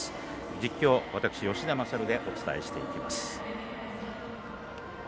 実況、私、吉田賢がお伝えしていきます。